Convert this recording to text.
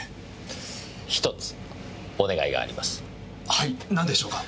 はいなんでしょうか？